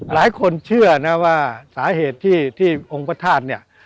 หลายคนเชื่อนะว่าสาเหตุที่องค์พระธาตุเนี่ย